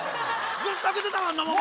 ずっと開けてたわんなもん。